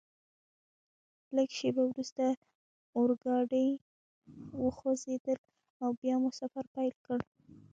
لږ شیبه وروسته اورګاډي وخوځېدل او بیا مو سفر پیل کړ.